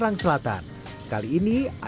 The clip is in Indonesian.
itu juga bisa kita pakai juga